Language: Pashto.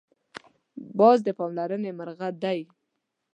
باز د پاملرنې مرغه دی